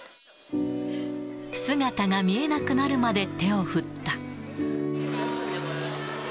姿が見えなくなるまで手を振った。